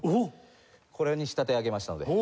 これに仕立て上げましたので。